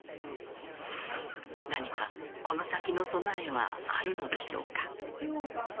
何かこの先の備えはあるのでしょうか？